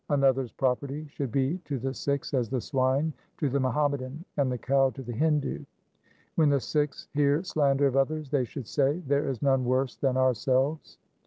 Another's property should be to the Sikhs as the swine to the Muhammadan and the cow to the Hindu. When the Sikhs hear slander of others, they should say ' There is none worse than ourselves.'